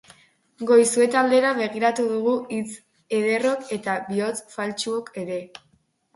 Goizueta aldera begiratu dugu hitz-ederrok eta bihotz-faltsuok ere.